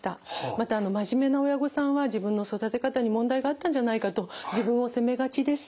また真面目な親御さんは自分の育て方に問題があったんじゃないかと自分を責めがちです。